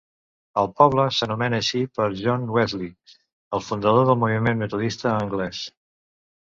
El poble s'anomena així per John Wesley, el fundador del moviment metodista anglès.